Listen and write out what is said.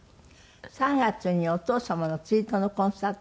３月にお父様の追悼のコンサート。